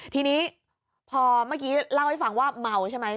ทีนี้พอเมื่อกี้เล่าให้ฟังว่าเมาใช่ไหม